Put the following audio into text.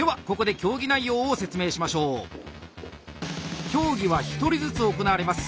競技は１人ずつ行われます。